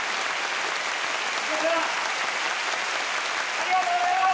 ありがとうございます！